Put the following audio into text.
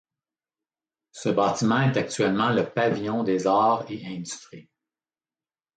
Ce bâtiment est actuellement le pavillon des Arts et Industries.